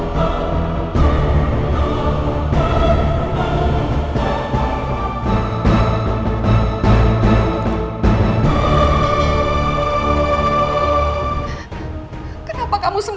jadi caraan program dari nisa